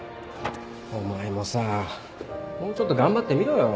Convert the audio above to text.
お前もさもうちょっと頑張ってみろよ